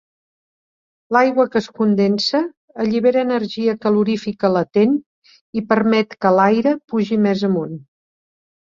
L'aigua que es condensa allibera energia calorífica latent i permet que l'aire pugi més amunt.